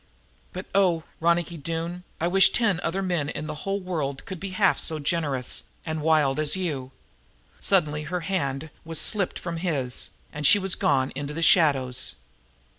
But, oh, Ronicky Doone, I wish ten other men in the whole world could be half so generous and wild as you!" Suddenly her hand was slipped from his, and she was gone into the shadows.